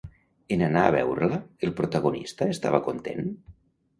En anar a veure-la, el protagonista estava content?